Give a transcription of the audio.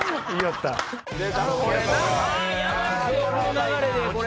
この流れでこれ。